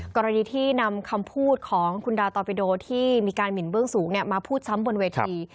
กรณีที่นำคำพูดของคุณดาวตอปิโดที่มีการหมินเบื้องสูงมาพูดซ้ำบนเวที